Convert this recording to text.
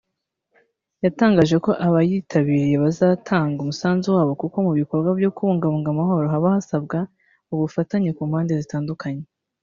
yatangaje ko abayitabiriye bazatanga umusanzu wabo kuko mu bikorwa byo kubungabunga amahoro haba hasabwa ubufatanye ku mpande zitandukanye